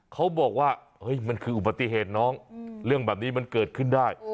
เขาบอกว่าเฮ้ยมันคืออุบัติเหตุน้องเรื่องแบบนี้มันเกิดขึ้นได้